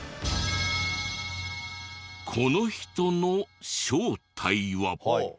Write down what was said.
この人の正体は。